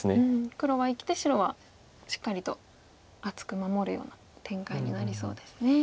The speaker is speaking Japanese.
黒は生きて白はしっかりと厚く守るような展開になりそうですね。